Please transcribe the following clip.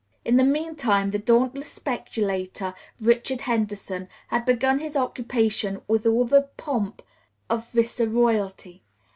In the mean time the dauntless speculator Richard Henderson had begun his occupation with all the pomp of viceroyalty.